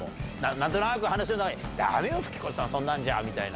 なんとなく話の中で、だめよ、吹越さん、そんなんじゃみたいな。